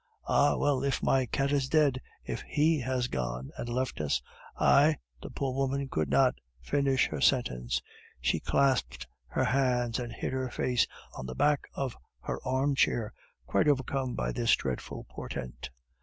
"Ah! well, if my cat is dead, if he has gone and left us, I " The poor woman could not finish her sentence; she clasped her hands and hid her face on the back of her armchair, quite overcome by this dreadful portent.